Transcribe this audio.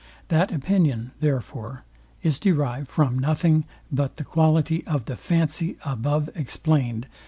That opinion, therefore, is derived from nothing but the quality of the fancy above explained